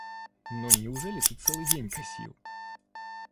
Но неужели ты целый день косил?